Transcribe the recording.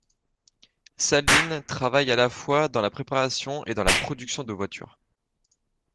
Saleen travaille à la fois dans la préparation et dans la production de voitures.